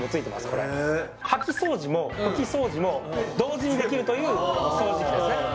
これ掃き掃除も拭き掃除も同時にできるという掃除機ですね